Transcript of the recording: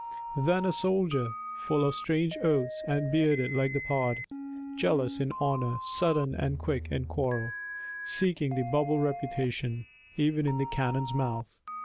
Then a soldier, Full of strange oaths, and bearded like the pard, Jealous in honour, sudden and quick in quarrel, Seeking the bubble reputation Even in the cannon's mouth.